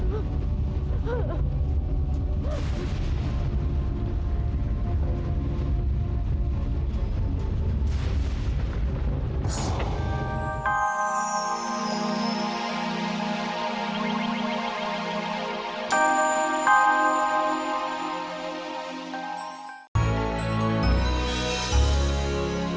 bagaimana itu bisa berhasil